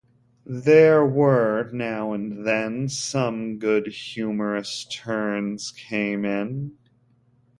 There were now and then some good humorous turns came in.